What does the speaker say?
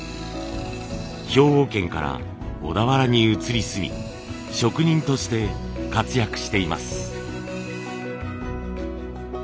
兵庫県から小田原に移り住み職人として活躍しています。